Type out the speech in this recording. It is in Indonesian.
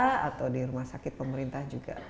di swasta atau di rumah sakit pemerintah juga